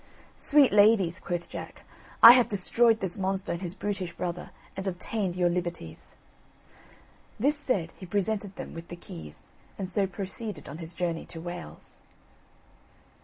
"Sweet ladies," quoth Jack, "I have destroyed this monster and his brutish brother, and obtained your liberties." This said he presented them with the keys, and so proceeded on his journey to Wales.